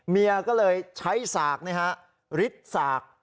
เมียก็เลยใช้สากริดสาก